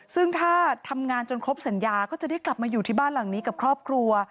ซึ่งถ้าทำงานจนครบสัญญาก็จะได้กลับมาอยู่ที่บ้านหลังนี้กับครอบครัว